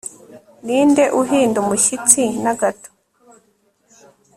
Ninde uhinda umushyitsi na gato